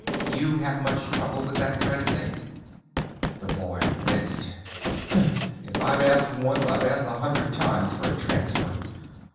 "You have much trouble with that kind of thing?" The boy winced. "If I've asked once I've asked a hundred times for a transfer.